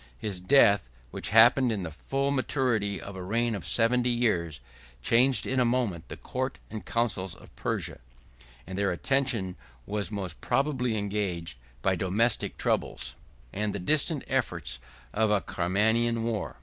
His death, which happened in the full maturity of a reign of seventy years, changed in a moment the court and councils of Persia; and their attention was most probably engaged by domestic troubles, and the distant efforts of a Carmanian war.